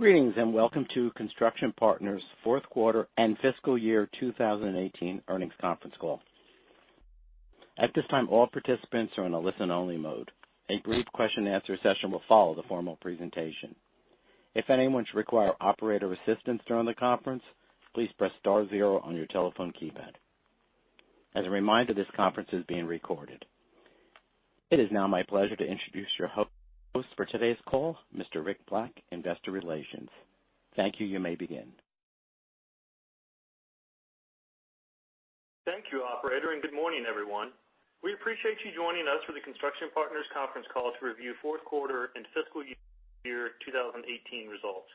Welcome to Construction Partners' fourth quarter and fiscal year 2018 earnings conference call. At this time, all participants are in a listen-only mode. A brief question-and-answer session will follow the formal presentation. If anyone should require operator assistance during the conference, please press star zero on your telephone keypad. As a reminder, this conference is being recorded. It is now my pleasure to introduce your host for today's call, Mr. Rick Black, Investor Relations. Thank you. You may begin. Thank you, operator. Good morning, everyone. We appreciate you joining us for the Construction Partners' conference call to review fourth quarter and fiscal year 2018 results.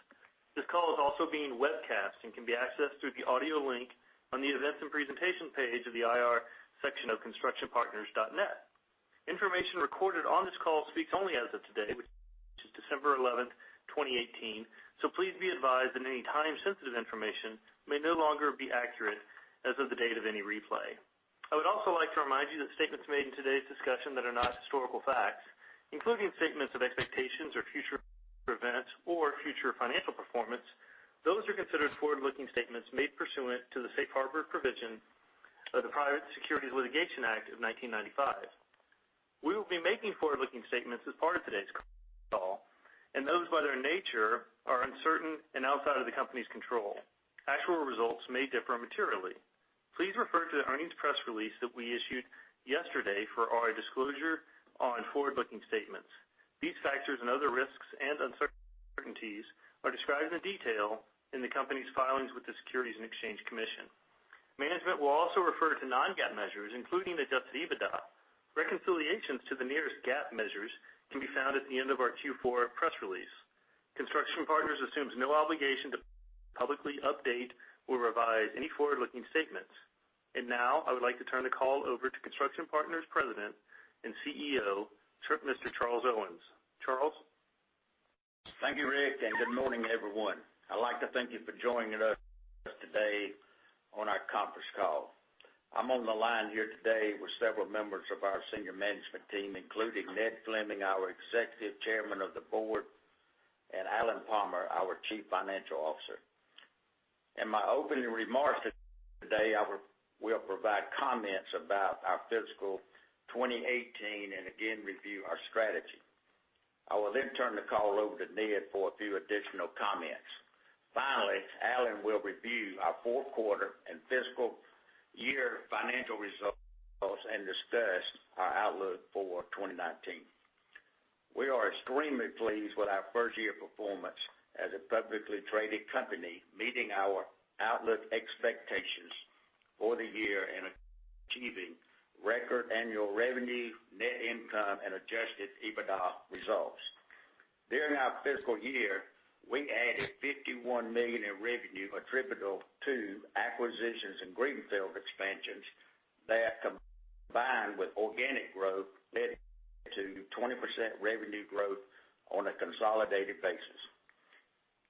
This call is also being webcast and can be accessed through the audio link on the Events and Presentation page of the IR section of constructionpartners.net. Information recorded on this call speaks only as of today, which is December 11, 2018. Please be advised that any time-sensitive information may no longer be accurate as of the date of any replay. I would also like to remind you that statements made in today's discussion that are not historical facts, including statements of expectations or future events or future financial performance, those are considered forward-looking statements made pursuant to the safe harbor provision of the Private Securities Litigation Reform Act of 1995. We will be making forward-looking statements as part of today's call. Those, by their nature, are uncertain and outside of the company's control. Actual results may differ materially. Please refer to the earnings press release that we issued yesterday for our disclosure on forward-looking statements. These factors and other risks and uncertainties are described in detail in the company's filings with the Securities and Exchange Commission. Management will also refer to non-GAAP measures, including adjusted EBITDA. Reconciliations to the nearest GAAP measures can be found at the end of our Q4 press release. Construction Partners assumes no obligation to publicly update or revise any forward-looking statements. Now I would like to turn the call over to Construction Partners' President and CEO, Mr. Charles Owens. Charles? Thank you, Rick. Good morning, everyone. I'd like to thank you for joining us today on our conference call. I'm on the line here today with several members of our senior management team, including Ned Fleming, our Executive Chairman of the Board, and Alan Palmer, our Chief Financial Officer. In my opening remarks today, I will provide comments about our fiscal 2018 and again review our strategy. I will then turn the call over to Ned for a few additional comments. Finally, Alan will review our fourth quarter and fiscal year financial results and discuss our outlook for 2019. We are extremely pleased with our first-year performance as a publicly traded company, meeting our outlook expectations for the year and achieving record annual revenue, net income, and adjusted EBITDA results. During our fiscal year, we added $51 million in revenue attributable to acquisitions and greenfield expansions that, combined with organic growth, led to 20% revenue growth on a consolidated basis.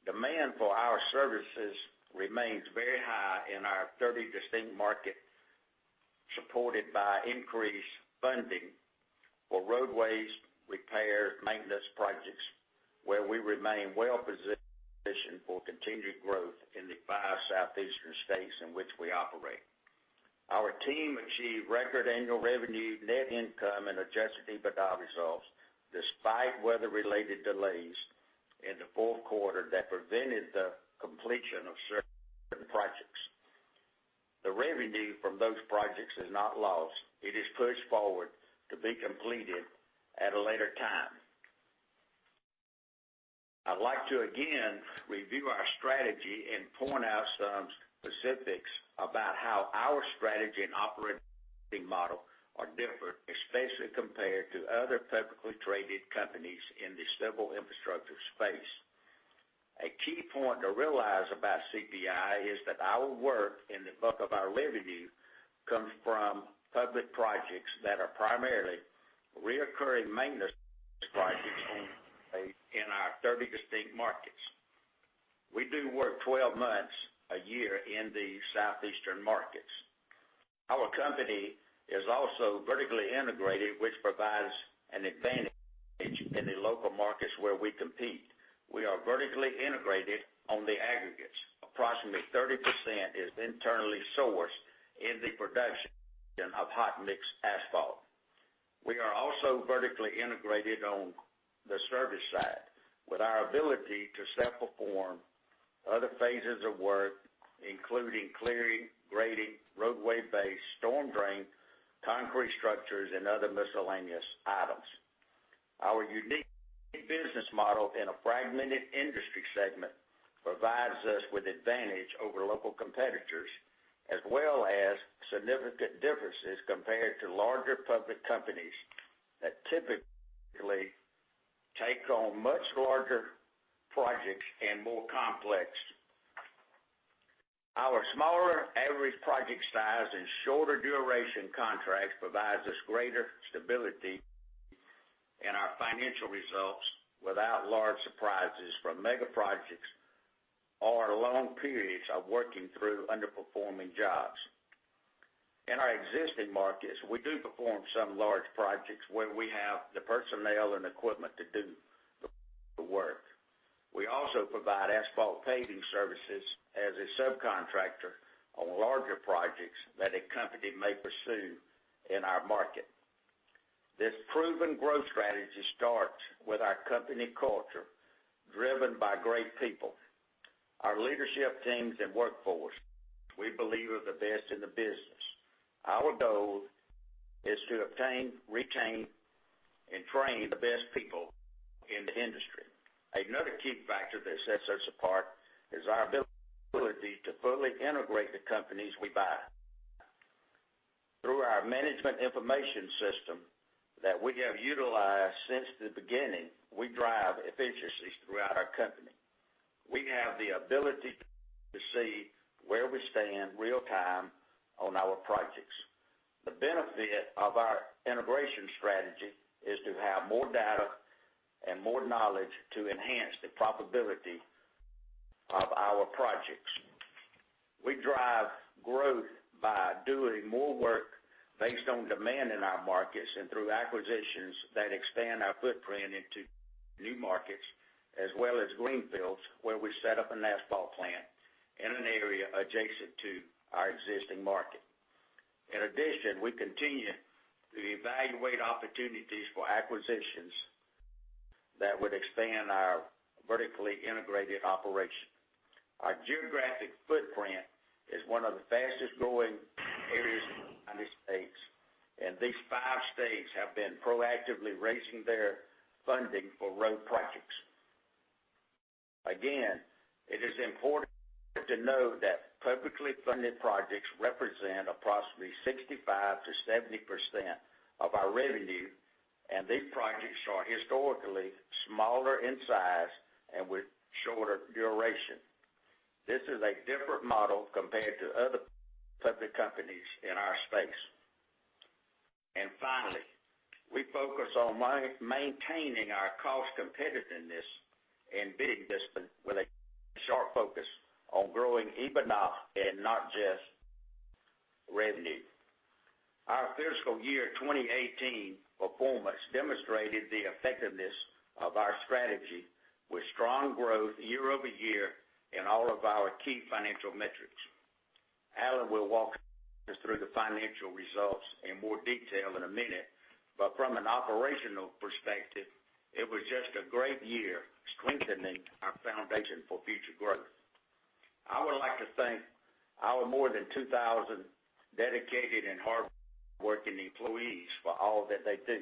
Demand for our services remains very high in our 30 distinct markets, supported by increased funding for roadways repair maintenance projects, where we remain well-positioned for continued growth in the five southeastern states in which we operate. Our team achieved record annual revenue, net income, and adjusted EBITDA results, despite weather-related delays in the fourth quarter that prevented the completion of certain projects. The revenue from those projects is not lost. It is pushed forward to be completed at a later time. I'd like to again review our strategy and point out some specifics about how our strategy and operating model are different, especially compared to other publicly traded companies in the civil infrastructure space. A key point to realize about CPI is that our work and the bulk of our revenue comes from public projects that are primarily reoccurring maintenance projects in our 30 distinct markets. We do work 12 months a year in the southeastern markets. Our company is also vertically integrated, which provides an advantage in the local markets where we compete. We are vertically integrated on the aggregates. Approximately 30% is internally sourced in the production of hot mix asphalt. We are also vertically integrated on the service side with our ability to self-perform other phases of work, including clearing, grading, roadway base, storm drain, concrete structures, and other miscellaneous items. Our unique business model in a fragmented industry segment provides us with advantage over local competitors, as well as significant differences compared to larger public companies that typically take on much larger projects and more complex. Our smaller average project size and shorter duration contracts provide us greater stability in our financial results without large surprises from mega projects or long periods of working through underperforming jobs. In our existing markets, we do perform some large projects where we have the personnel and equipment to do the work. We also provide asphalt paving services as a subcontractor on larger projects that a company may pursue in our market. This proven growth strategy starts with our company culture, driven by great people. Our leadership teams and workforce, we believe are the best in the business. Our goal is to obtain, retain, and train the best people in the industry. Another key factor that sets us apart is our ability to fully integrate the companies we buy. Through our management information system that we have utilized since the beginning, we drive efficiencies throughout our company. We have the ability to see where we stand real time on our projects. The benefit of our integration strategy is to have more data and more knowledge to enhance the profitability of our projects. We drive growth by doing more work based on demand in our markets and through acquisitions that expand our footprint into new markets as well as greenfields, where we set up an asphalt plant in an area adjacent to our existing market. In addition, we continue to evaluate opportunities for acquisitions that would expand our vertically integrated operation. Our geographic footprint is one of the fastest growing areas in the United States, and these five states have been proactively raising their funding for road projects. Again, it is important to know that publicly funded projects represent approximately 65%-70% of our revenue, and these projects are historically smaller in size and with shorter duration. This is a different model compared to other public companies in our space. Finally, we focus on maintaining our cost competitiveness and business with a sharp focus on growing EBITDA and not just revenue. Our fiscal year 2018 performance demonstrated the effectiveness of our strategy with strong growth year-over-year in all of our key financial metrics. Alan will walk us through the financial results in more detail in a minute, but from an operational perspective, it was just a great year strengthening our foundation for future growth. I would like to thank our more than 2,000 dedicated and hardworking employees for all that they do.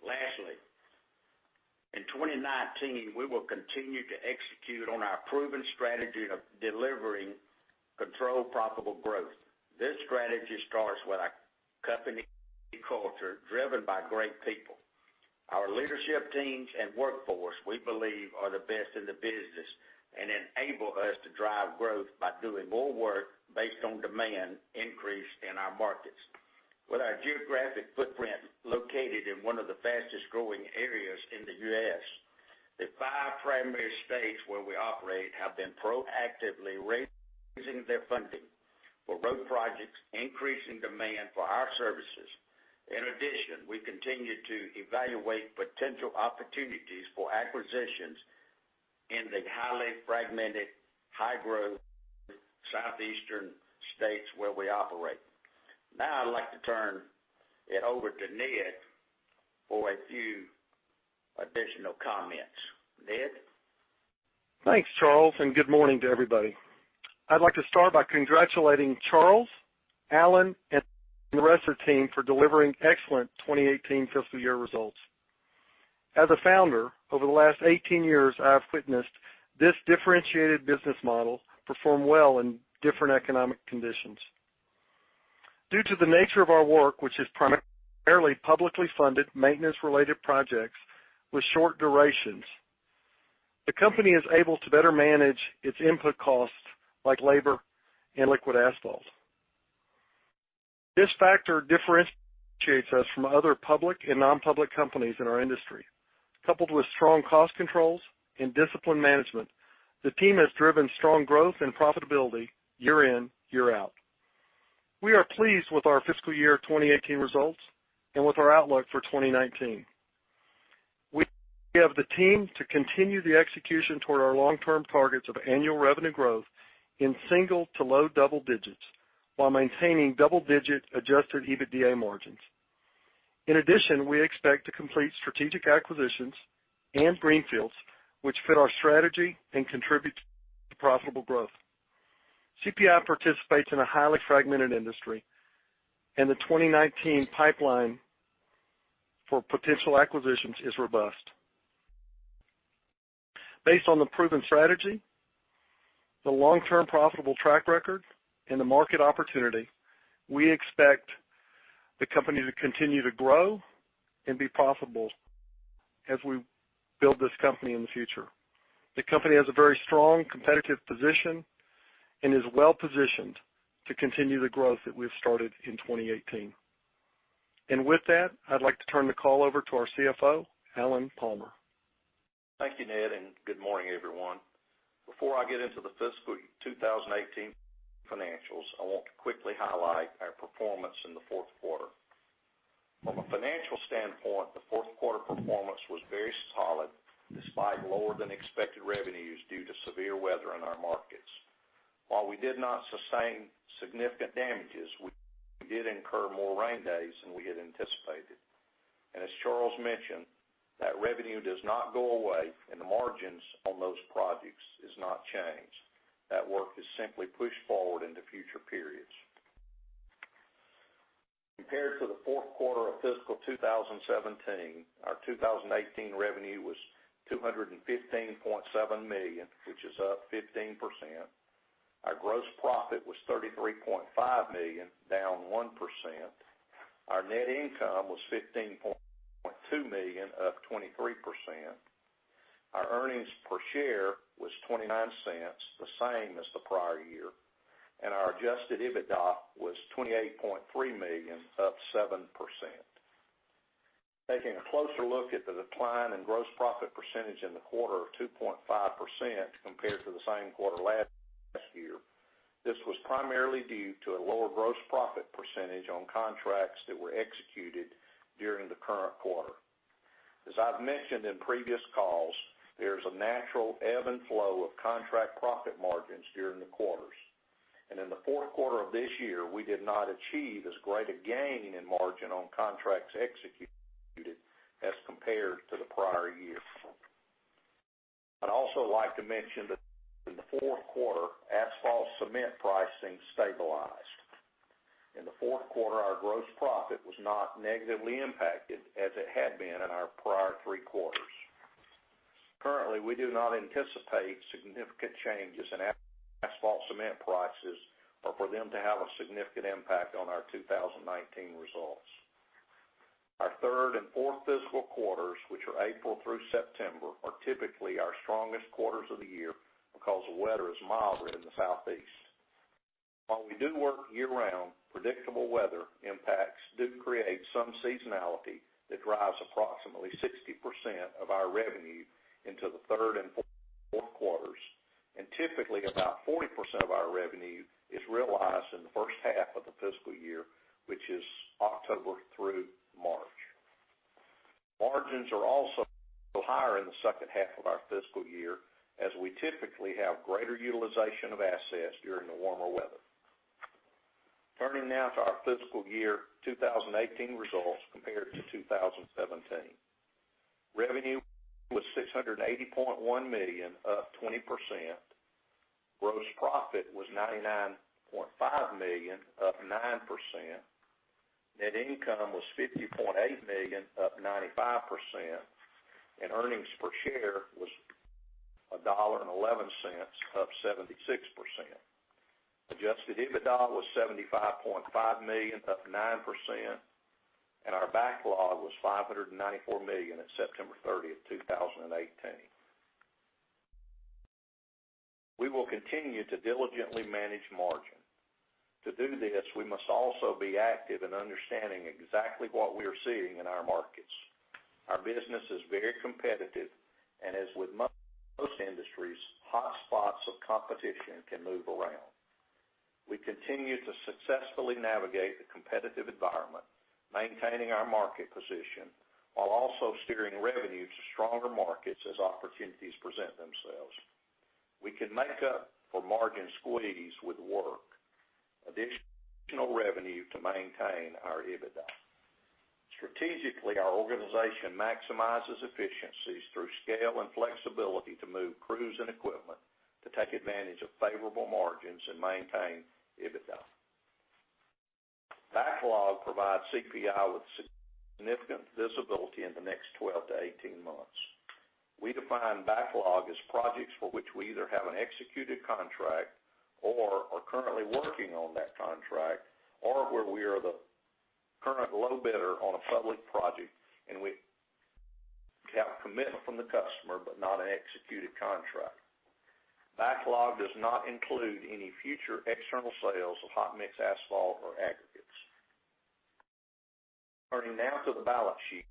Lastly, in 2019, we will continue to execute on our proven strategy of delivering controlled profitable growth. This strategy starts with our company culture driven by great people. Our leadership teams and workforce, we believe, are the best in the business and enable us to drive growth by doing more work based on demand increase in our markets. With our geographic footprint located in one of the fastest-growing areas in the U.S., the five primary states where we operate have been proactively raising their funding for road projects, increasing demand for our services. In addition, we continue to evaluate potential opportunities for acquisitions in the highly fragmented, high-growth southeastern states where we operate. Now I'd like to turn it over to Ned for a few additional comments. Ned? Thanks, Charles. Good morning to everybody. I'd like to start by congratulating Charles, Alan, and the rest of the team for delivering excellent 2018 fiscal year results. As a founder, over the last 18 years, I have witnessed this differentiated business model perform well in different economic conditions. Due to the nature of our work, which is primarily publicly funded, maintenance-related projects with short durations, the company is able to better manage its input costs like labor and liquid asphalt. This factor differentiates us from other public and non-public companies in our industry. Coupled with strong cost controls and disciplined management, the team has driven strong growth and profitability year in, year out. We are pleased with our fiscal year 2018 results and with our outlook for 2019. We have the team to continue the execution toward our long-term targets of annual revenue growth in single to low double digits while maintaining double-digit adjusted EBITDA margins. In addition, we expect to complete strategic acquisitions and greenfields which fit our strategy and contribute to profitable growth. CPI participates in a highly fragmented industry. The 2019 pipeline for potential acquisitions is robust. Based on the proven strategy, the long-term profitable track record, and the market opportunity, we expect the company to continue to grow and be profitable as we build this company in the future. The company has a very strong competitive position and is well-positioned to continue the growth that we've started in 2018. With that, I'd like to turn the call over to our CFO, Alan Palmer. Thank you, Ned, and good morning, everyone. Before I get into the fiscal 2018 financials, I want to quickly highlight our performance in the fourth quarter. From a financial standpoint, the fourth quarter performance was very solid, despite lower than expected revenues due to severe weather in our markets. While we did not sustain significant damages, we did incur more rain days than we had anticipated. As Charles mentioned, that revenue does not go away, and the margins on those projects is not changed. That work is simply pushed forward into future periods. Compared to the fourth quarter of fiscal 2017, our 2018 revenue was $215.7 million, which is up 15%. Our gross profit was $33.5 million, down 1%. Our net income was $15.2 million, up 23%. Our earnings per share was $0.29, the same as the prior year. Our adjusted EBITDA was $28.3 million, up 7%. Taking a closer look at the decline in gross profit percentage in the quarter of 2.5% compared to the same quarter last year. This was primarily due to a lower gross profit percentage on contracts that were executed during the current quarter. As I've mentioned in previous calls, there's a natural ebb and flow of contract profit margins during the quarters. In the fourth quarter of this year, we did not achieve as great a gain in margin on contracts executed as compared to the prior year. I'd also like to mention that in the fourth quarter, asphalt cement pricing stabilized. In the fourth quarter, our gross profit was not negatively impacted as it had been in our prior three quarters. Currently, we do not anticipate significant changes in asphalt cement prices or for them to have a significant impact on our 2019 results. Our third and fourth fiscal quarters, which are April through September, are typically our strongest quarters of the year because the weather is milder in the southeast. While we do work year round, predictable weather impacts do create some seasonality that drives approximately 60% of our revenue into the third and fourth quarters. Typically, about 40% of our revenue is realized in the first half of the fiscal year, which is October through March. Margins are also higher in the second half of our fiscal year, as we typically have greater utilization of assets during the warmer weather. Turning now to our fiscal year 2018 results compared to 2017. Revenue was $680.1 million, up 20%. Gross profit was $99.5 million, up 9%. Net income was $50.8 million, up 95%. Earnings per share was $1.11, up 76%. Adjusted EBITDA was $75.5 million, up 9%. Our backlog was $594 million at September 30th, 2018. We will continue to diligently manage margin. To do this, we must also be active in understanding exactly what we are seeing in our markets. Our business is very competitive, and as with most industries, hotspots of competition can move around. We continue to successfully navigate the competitive environment, maintaining our market position while also steering revenue to stronger markets as opportunities present themselves. We can make up for margin squeeze with work, additional revenue to maintain our EBITDA. Strategically, our organization maximizes efficiencies through scale and flexibility to move crews and equipment to take advantage of favorable margins and maintain EBITDA. Backlog provides CPI with significant visibility in the next 12-18 months. We define backlog as projects for which we either have an executed contract or are currently working on that contract, or where we are the current low bidder on a public project and we have commitment from the customer but not an executed contract. Backlog does not include any future external sales of hot mix asphalt or aggregates. Turning now to the balance sheet.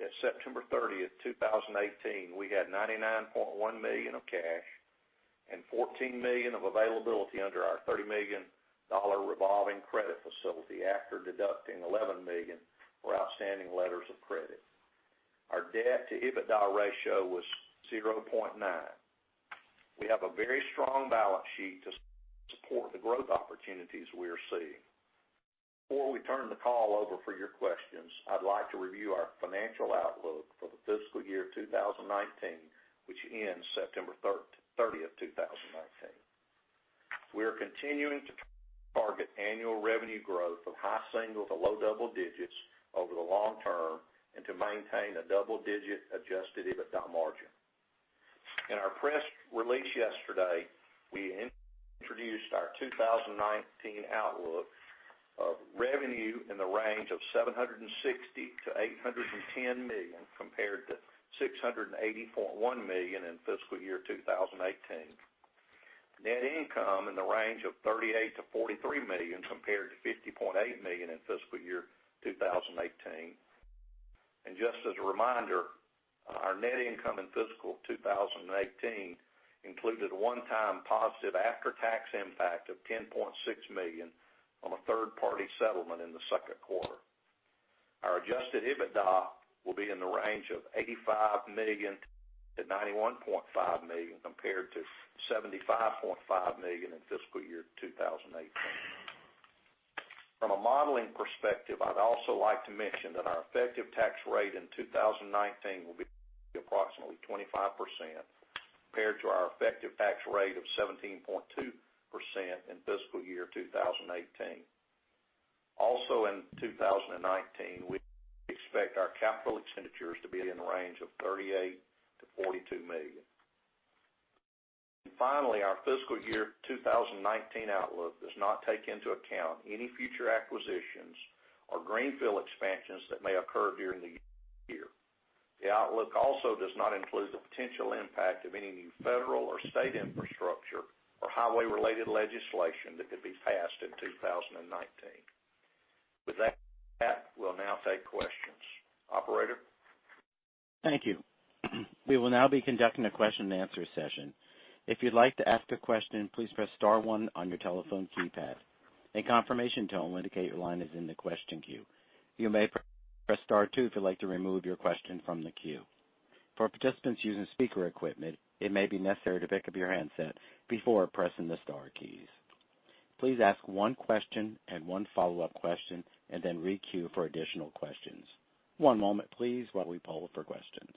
At September 30th, 2018, we had $99.1 million of cash and $14 million of availability under our $30 million revolving credit facility after deducting $11 million for outstanding letters of credit. Our debt to EBITDA ratio was 0.9x. We have a very strong balance sheet to support the growth opportunities we are seeing. Before we turn the call over for your questions, I'd like to review our financial outlook for the fiscal year 2019, which ends September 30th, 2019. We are continuing to target annual revenue growth of high single to low double digits over the long term and to maintain a double-digit adjusted EBITDA margin. In our press release yesterday, we introduced our 2019 outlook of revenue in the range of $760 million-$810 million compared to $680.1 million in fiscal year 2018. Net income in the range of $38 million-$43 million compared to $50.8 million in fiscal year 2018. Just as a reminder, our net income in fiscal 2018 included a one-time positive after-tax impact of $10.6 million on a third-party settlement in the second quarter. Our adjusted EBITDA will be in the range of $85 million-$91.5 million compared to $75.5 million in fiscal year 2018. From a modeling perspective, I'd also like to mention that our effective tax rate in 2019 will be approximately 25% compared to our effective tax rate of 17.2% in fiscal year 2018. In 2019, we expect our capital expenditures to be in the range of $38 million-$42 million. Finally, our fiscal year 2019 outlook does not take into account any future acquisitions or greenfield expansions that may occur during the year. The outlook also does not include the potential impact of any new federal or state infrastructure or highway-related legislation that could be passed in 2019. With that, we'll now take questions. Operator? Thank you. We will now be conducting a question-and-answer session. If you'd like to ask a question, please press star one on your telephone keypad. A confirmation tone will indicate your line is in the question queue. You may press star two if you'd like to remove your question from the queue. For participants using speaker equipment, it may be necessary to pick up your handset before pressing the star keys. Please ask one question and one follow-up question, and then re-queue for additional questions. One moment please while we poll for questions.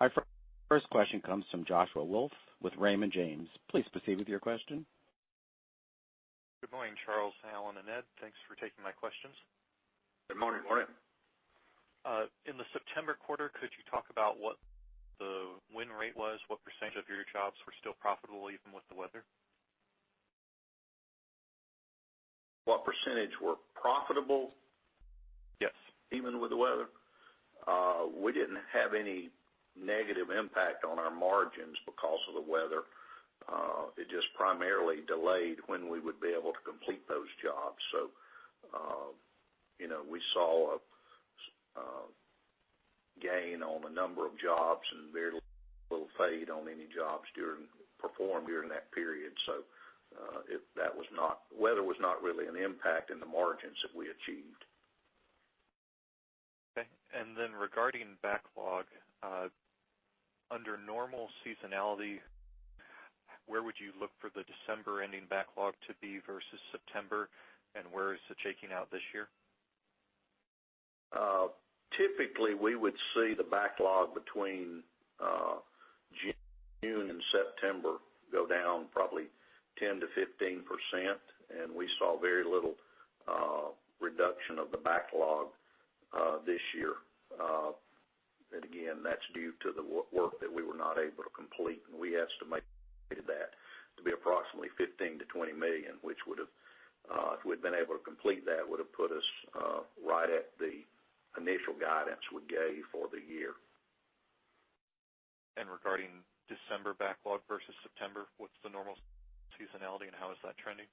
Our first question comes from [Joshua Wolf] with Raymond James. Please proceed with your question. Good morning, Charles, Alan, and Ned. Thanks for taking my questions. Good morning. In the September quarter, could you talk about what the win rate was, what percentage of your jobs were still profitable even with the weather? What percentage were profitable? Yes. Even with the weather? We didn't have any negative impact on our margins because of the weather. It just primarily delayed when we would be able to complete those jobs. We saw a gain on a number of jobs and very little fade on any jobs performed during that period. Weather was not really an impact in the margins that we achieved. Okay. Regarding backlog, under normal seasonality, where would you look for the December ending backlog to be versus September? Where is it shaking out this year? Typically, we would see the backlog between June and September go down probably 10%-15%, and we saw very little reduction of the backlog this year. Again, that's due to the work that we were not able to complete. We estimated that to be approximately $15 million-$20 million, which if we'd been able to complete that would've put us right at the initial guidance we gave for the year. Regarding December backlog versus September, what's the normal seasonality and how is that trending?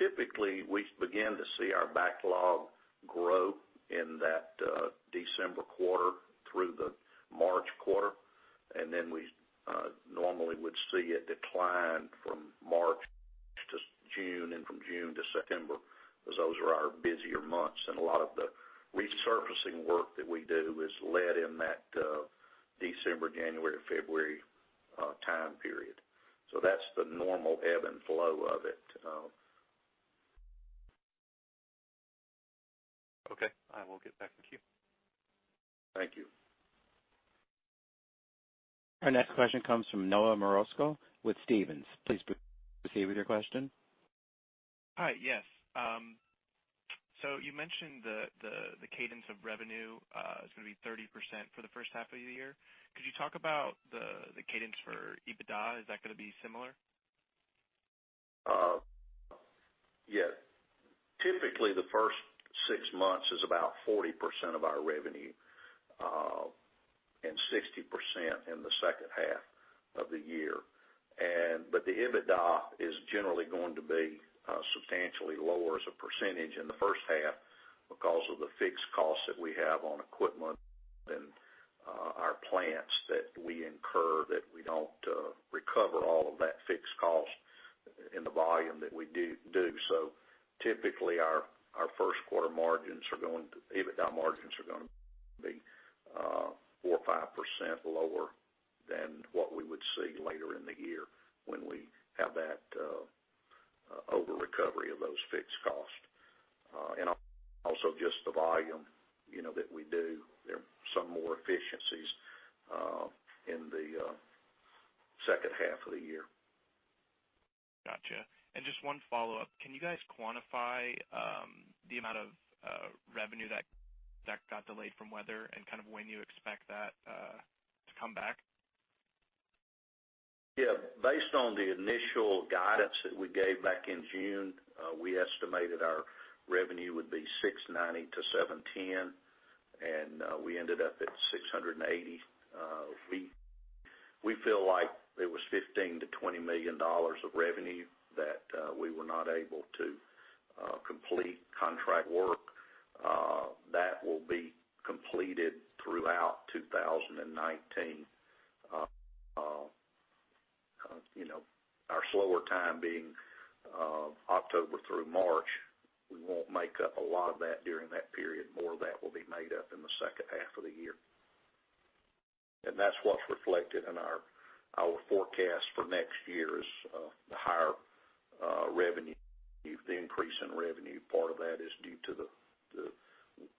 Typically, we begin to see our backlog grow in that December quarter through the March quarter, then we normally would see it decline from March to June and from June to September as those are our busier months. A lot of the resurfacing work that we do is led in that December, January, February time period. That's the normal ebb and flow of it. Okay. I will get back in queue. Thank you. Our next question comes from Noah Merkousko with Stephens. Please proceed with your question. Hi. Yes. You mentioned the cadence of revenue is going to be 30% for the first half of the year. Could you talk about the cadence for EBITDA? Is that going to be similar? Yes. Typically, the first six months is about 40% of our revenue, 60% in the second half of the year. The EBITDA is generally going to be substantially lower as a percentage in the first half because of the fixed costs that we have on equipment and our plants that we incur that we don't recover all of that fixed cost in the volume that we do. Typically, our first quarter EBITDA margins are going to be 4% or 5% lower than what we would see later in the year when we have that over recovery of those fixed costs. Also just the volume that we do. There are some more efficiencies in the second half of the year. Gotcha. Just one follow-up. Can you guys quantify the amount of revenue that got delayed from weather and when you expect that to come back? Yeah. Based on the initial guidance that we gave back in June, we estimated our revenue would be $690 million-$710 million, and we ended up at $680 million. We feel like there was $15 million-$20 million of revenue that we were not able to complete contract work. That will be completed throughout 2019. Our slower time being October through March. We won't make up a lot of that during that period. More of that will be made up in the second half of the year. That's what's reflected in our forecast for next year is the higher revenue, the increase in revenue. Part of that is due to the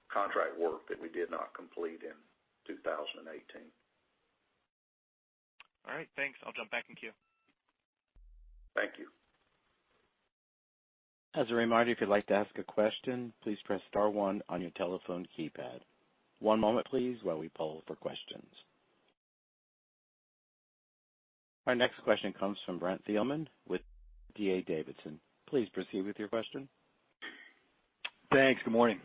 contract work that we did not complete in 2018. All right, thanks. I'll jump back in queue. Thank you. As a reminder, if you'd like to ask a question, please press star one on your telephone keypad. One moment please, while we poll for questions. Our next question comes from Brent Thielman with D.A. Davidson. Please proceed with your question. Thanks. Good morning.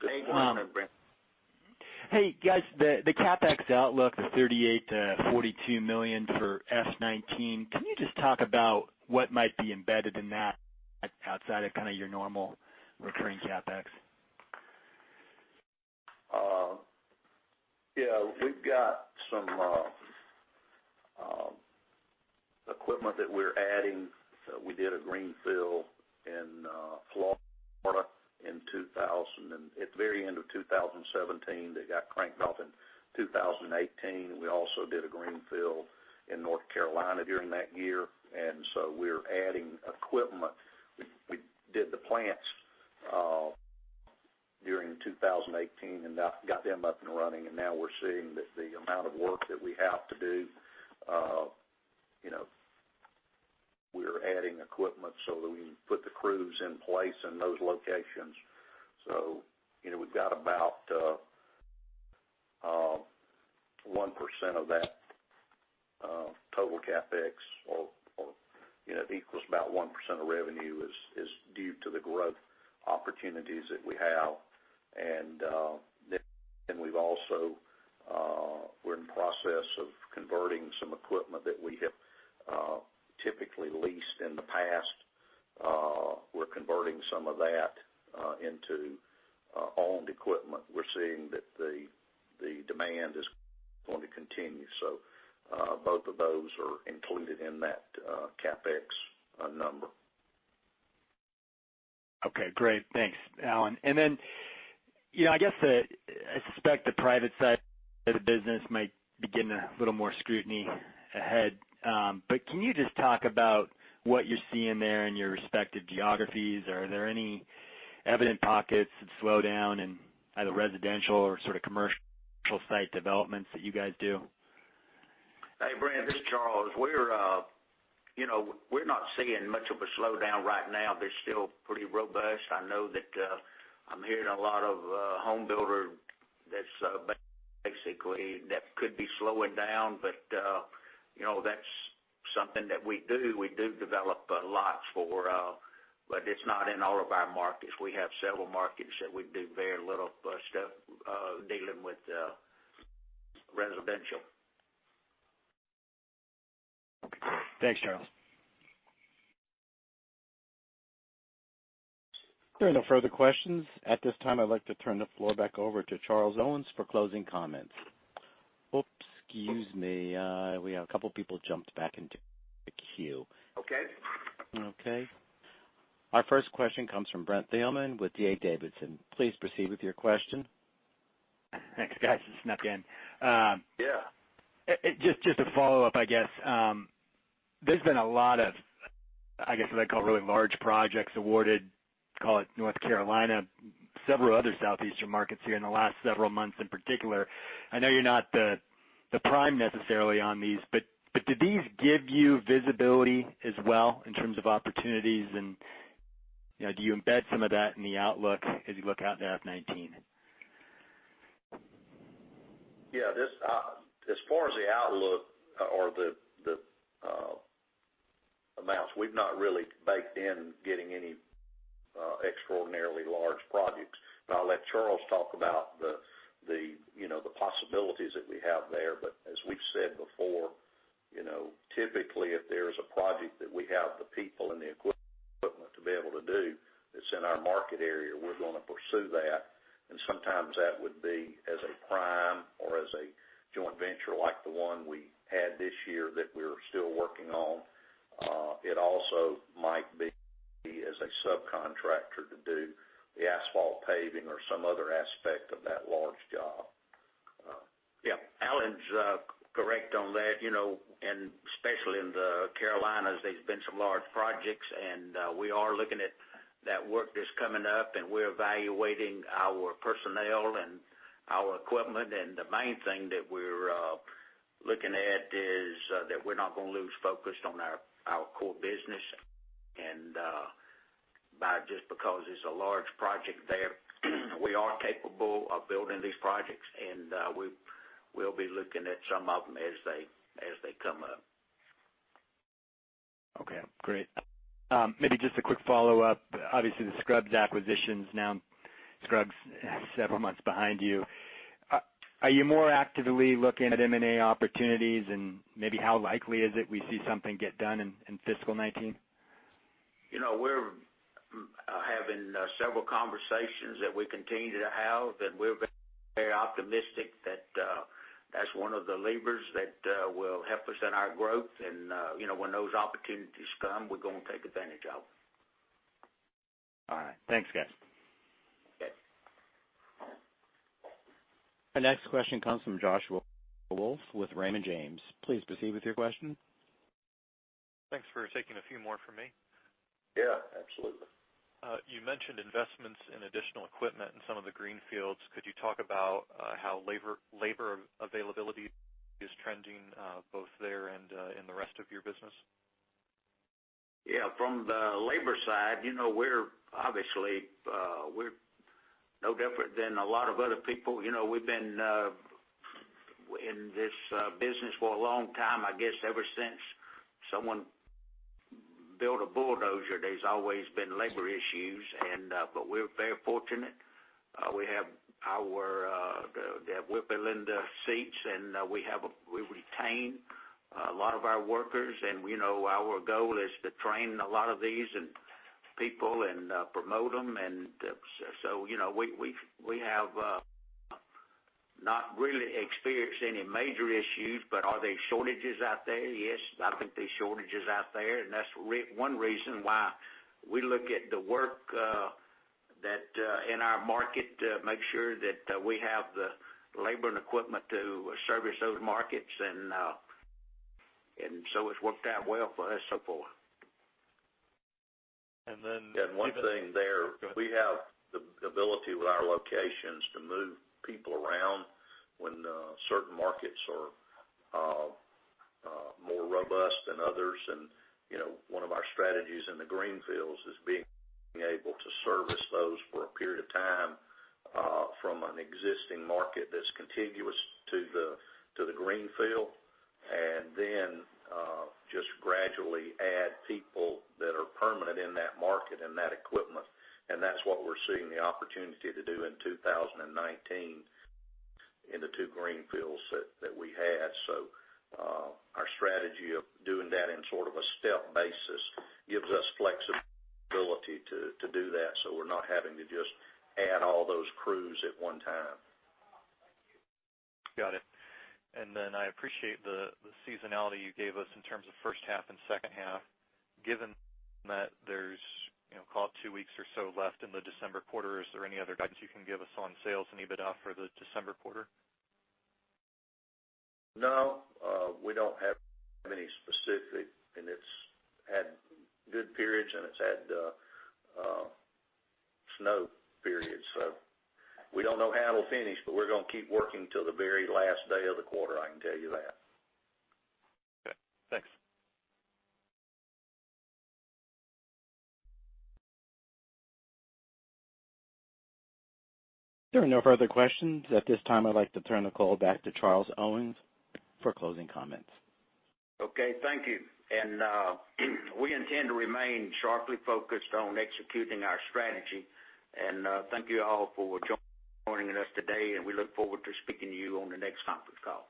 Good morning, Brent. Hey guys, the CapEx outlook of $38 million-$42 million for FY 2019, can you just talk about what might be embedded in that outside of kind of your normal recurring CapEx? Yeah. We've got some equipment that we're adding. We did a greenfield in Florida at the very end of 2017 that got cranked up in 2018. We also did a greenfield in North Carolina during that year. We're adding equipment. We did the plants during 2018 and got them up and running. Now we're seeing that the amount of work that we have to do, we're adding equipment so that we can put the crews in place in those locations. We've got about 1% of that total CapEx, or it equals about 1% of revenue is due to the growth opportunities that we have. We're in the process of converting some equipment that we have typically leased in the past. We're converting some of that into owned equipment. We're seeing that the demand is going to continue. Both of those are included in that CapEx number. Okay, great. Thanks, Alan. Then, I suspect the private side of the business might be getting a little more scrutiny ahead. Can you just talk about what you're seeing there in your respective geographies? Are there any evident pockets of slowdown in either residential or sort of commercial site developments that you guys do? Hey, Brent, this is Charles. We're not seeing much of a slowdown right now. They're still pretty robust. I know that I'm hearing a lot of home builder that could be slowing down, but that's something that we do. We do develop lots for, but it's not in all of our markets. We have several markets that we do very little stuff dealing with residential. Okay, great. Thanks, Charles. There are no further questions. At this time, I'd like to turn the floor back over to Charles Owens for closing comments. Oops, excuse me. We have a couple people jumped back into the queue. Okay. Okay. Our first question comes from Brent Thielman with D.A. Davidson. Please proceed with your question. Thanks, guys. I snuck in. Yeah. Just a follow-up, I guess. There's been a lot of, I guess what I'd call really large projects awarded, call it North Carolina, several other Southeastern markets here in the last several months in particular. I know you're not the prime necessarily on these, but do these give you visibility as well in terms of opportunities, and do you embed some of that in the outlook as you look out to FY 2019? Yeah. As far as the outlook or the amounts, we've not really baked in getting any extraordinarily large projects. I'll let Charles talk about the possibilities that we have there. As we've said before, typically if there's a project that we have the people and the equipment to be able to do that's in our market area, we're going to pursue that. Sometimes that would be as a prime or as a joint venture like the one we had this year that we're still working on. It also might be as a subcontractor to do the asphalt paving or some other aspect of that large job. Yeah. Alan's correct on that. Especially in the Carolinas, there's been some large projects, and we are looking at that work that's coming up, and we're evaluating our personnel and our equipment. The main thing that we're looking at is that we're not going to lose focus on our core business and just because it's a large project there. We are capable of building these projects, and we'll be looking at some of them as they come up. Okay, great. Maybe just a quick follow-up. Obviously, the Scruggs acquisition is now several months behind you. Are you more actively looking at M&A opportunities, and maybe how likely is it we see something get done in fiscal 2019? We're having several conversations that we continue to have, and we're very optimistic that's one of the levers that will help us in our growth. When those opportunities come, we're going to take advantage of them. All right. Thanks, guys. Okay. Our next question comes from [Joshua Wolf] with Raymond James. Please proceed with your question. Thanks for taking a few more from me. Yeah, absolutely. You mentioned investments in additional equipment in some of the greenfields. Could you talk about how labor availability is trending both there and in the rest of your business? From the labor side, obviously, we're no different than a lot of other people. We've been in this business for a long time. I guess, ever since someone built a bulldozer, there's always been labor issues. We're very fortunate. We have our [whip-it-into seats], and we retain a lot of our workers. Our goal is to train a lot of these people and promote them, so we have not really experienced any major issues. Are there shortages out there? Yes, I think there's shortages out there, that's one reason why we look at the work in our market to make sure that we have the labor and equipment to service those markets. It's worked out well for us so far. Then. One thing there. Go ahead we have the ability with our locations to move people around when certain markets are more robust than others. One of our strategies in the greenfields is being able to service those for a period of time from an existing market that's contiguous to the greenfield. Then just gradually add people that are permanent in that market and that equipment, and that's what we're seeing the opportunity to do in 2019 in the two greenfields that we had. Our strategy of doing that in sort of a step basis gives us flexibility to do that so we're not having to just add all those crews at one time. Got it. Then I appreciate the seasonality you gave us in terms of first half and second half. Given that there's call it two weeks or so left in the December quarter, is there any other guidance you can give us on sales and EBITDA for the December quarter? No. We don't have any specific, it's had good periods, it's had snow periods, we don't know how it'll finish, but we're going to keep working till the very last day of the quarter, I can tell you that. Okay, thanks. There are no further questions. At this time, I'd like to turn the call back to Charles Owens for closing comments. Okay, thank you. We intend to remain sharply focused on executing our strategy. Thank you all for joining us today, and we look forward to speaking to you on the next conference call.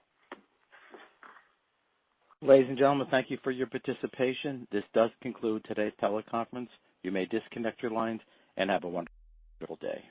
Ladies and gentlemen, thank you for your participation. This does conclude today's teleconference. You may disconnect your lines and have a wonderful day.